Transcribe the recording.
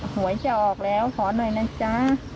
หวยจะออกแล้วขอหน่อยนะจ๊ะ